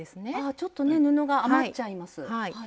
ちょっとね布が余っちゃいます。